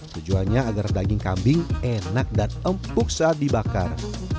tujuannya agar daging kambing enak dan empuk saat dibakar